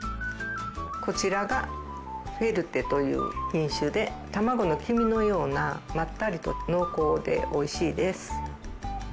こちらがフェルテという品種で卵の黄身のようなまったりと濃厚で美味しいです。